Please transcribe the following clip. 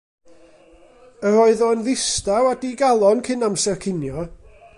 Yr oedd o yn ddistaw a digalon cyn amser cinio.